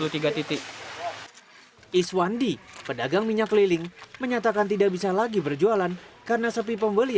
tiga titik iswandi pedagang minyak keliling menyatakan tidak bisa lagi berjualan karena sepi pembeli